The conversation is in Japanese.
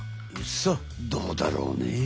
さあどうだろうね？